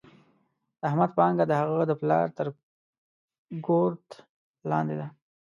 د احمد پانګه د هغه د پلار تر ګورت لاندې ده.